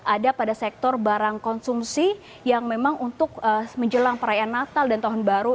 ada pada sektor barang konsumsi yang memang untuk menjelang perayaan natal dan tahun baru